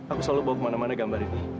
aku selalu bawa kemana mana gambar itu